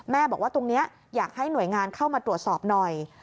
บอกว่าตรงนี้อยากให้หน่วยงานเข้ามาตรวจสอบหน่อย